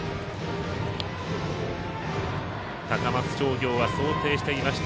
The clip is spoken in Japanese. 高松商業は想定していました